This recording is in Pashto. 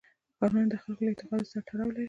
ښارونه د خلکو له اعتقاداتو سره تړاو لري.